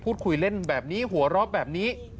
พูดคุยเล่นแบบนี้หัวเราะแบบนี้